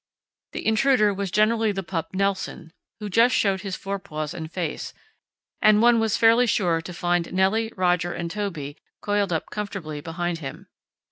The intruder was generally the pup Nelson, who just showed his forepaws and face, and one was fairly sure to find Nelly, Roger, and Toby coiled up comfortably behind him.